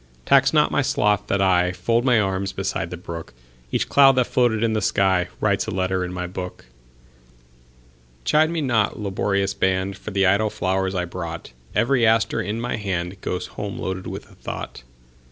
Tax not my sloth that IFold my arms beside the brook; Each cloud that floated in the skyWrites a letter in my book. Chide me not, laborious band, For the idle flowers I brought; Every aster in my handGoes home loaded with a thought.